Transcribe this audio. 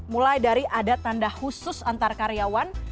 mulai dari ada tanda khusus antar karyawan